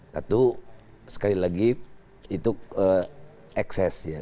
satu sekali lagi itu ekses ya